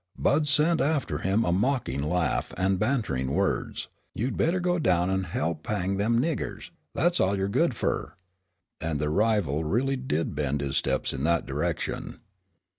Bud sent after him a mocking laugh, and the bantering words, "You'd better go down, an' he'p hang them niggers, that's all you're good fur." And the rival really did bend his steps in that direction.